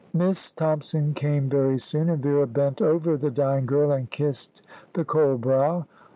Miss Thompson came very soon, and Vera bent over the dying girl and kissed the cold brow.